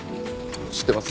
知ってます。